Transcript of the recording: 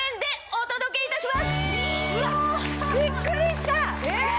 びっくりした！